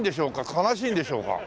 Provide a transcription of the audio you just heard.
悲しいんでしょうか？